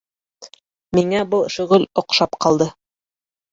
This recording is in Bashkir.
Миңә был шөғөл оҡшап ҡалды.